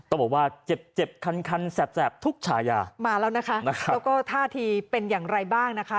ต้องบอกว่าเจ็บเจ็บคันคันแสบทุกฉายามาแล้วนะคะแล้วก็ท่าทีเป็นอย่างไรบ้างนะคะ